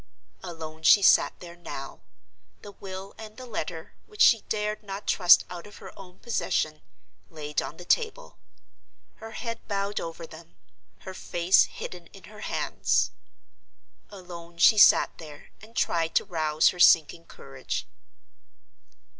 Alone she sat there now—the will and the letter which she dared not trust out of her own possession, laid on the table—her head bowed over them; her face hidden in her hands. Alone she sat there and tried to rouse her sinking courage.